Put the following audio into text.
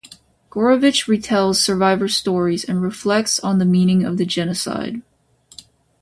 Gourevitch retells survivors' stories, and reflects on the meaning of the genocide.